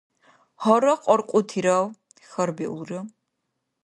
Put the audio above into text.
— Гьарахъ аркьутирав? — хьарбиулра.